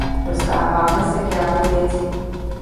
Dostáváme se k jádru věci.